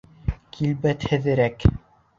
Килбәтһеҙерәк.